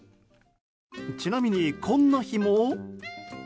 ちなみに、こんな日も。